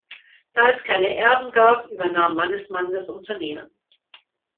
Da es keine Erben gab, übernahm Mannesmann das Unternehmen.